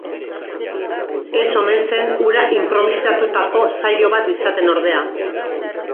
Ez omen zen hura inprobisatutako saio bat izaten ordea.